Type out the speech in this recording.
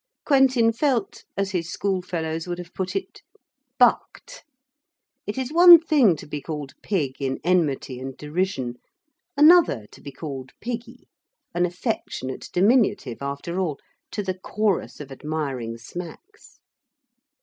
Quentin felt as his schoolfellows would have put it bucked. It is one thing to be called Pig in enmity and derision. Another to be called Piggy an affectionate diminutive, after all to the chorus of admiring smacks.